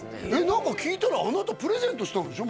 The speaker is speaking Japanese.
何か聞いたらあなたプレゼントしたんでしょ？